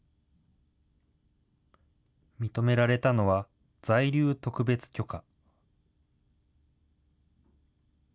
認められたのは、在留特別許可。